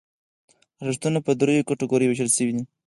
ارزښتونه په دریو کټګوریو ویشل کېږي.